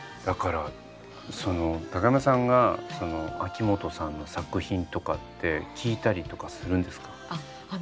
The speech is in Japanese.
だからその高山さんが秋元さんの作品とかって聴いたりとかするんですか？